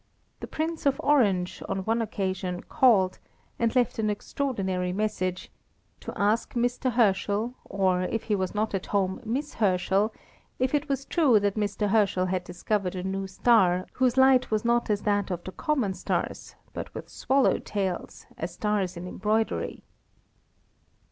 The Prince of Orange, on one occasion, called, and left an extraordinary message "to ask Mr. Herschel, or if he was not at home, Miss Herschel, if it was true that Mr. Herschel had discovered a new star, whose light was not as that of the common stars, but with swallow tails, as stars in embroidery."